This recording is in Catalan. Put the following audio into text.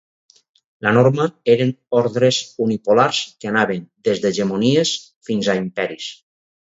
La norma eren ordres unipolars que anaven des d'hegemonies fins a imperis.